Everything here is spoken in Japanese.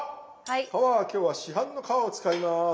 皮は今日は市販の皮を使います。